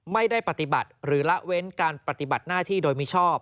ไม่ได้ปฏิบัติหรือละเว้นการปฏิบัติหน้าที่โดยมิชอบ